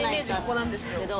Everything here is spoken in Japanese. ここなんですよ